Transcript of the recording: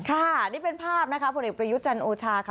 ค่ะนี่เป็นภาพนะคะผลเอกประยุทธ์จันทร์โอชาค่ะ